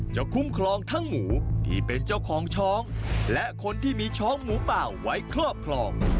คุ้มครองทั้งหมูที่เป็นเจ้าของช้องและคนที่มีช้องหมูป่าไว้ครอบครอง